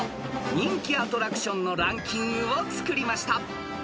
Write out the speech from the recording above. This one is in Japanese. ［人気アトラクションのランキングを作りました］